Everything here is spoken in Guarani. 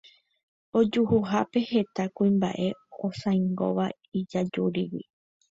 Ojuhuhápe heta kuimba'e osãingóva ijajúrigui.